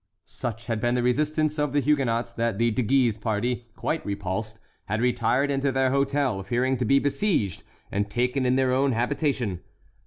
Such had been the resistance of the Huguenots that the De Guise party, quite repulsed, had retired into their hôtel, fearing to be besieged and taken in their own habitation.